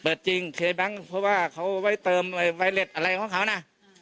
จริงเคยแบงค์เพราะว่าเขาไว้เติมไวเล็ตอะไรของเขานะ